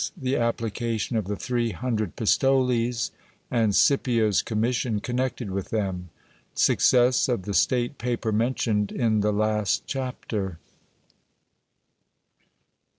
— The application of the three hundred pistoles, and Scipids commission connected with them. Success of the state paper mentioned in the last chapter.